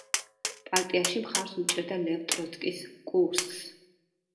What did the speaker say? პარტიაში მხარს უჭერდა ლევ ტროცკის კურსს.